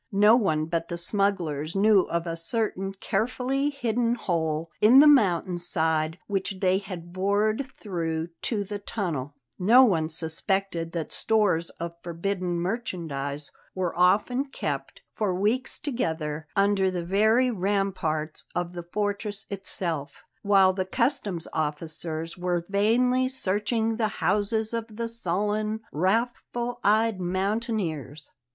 No one but the smugglers knew of a certain carefully hidden hole in the mountain side which they had bored through to the tunnel; no one suspected that stores of forbidden merchandise were often kept, for weeks together, under the very ramparts of the fortress itself, while the customs officers were vainly searching the houses of the sullen, wrathful eyed mountaineers.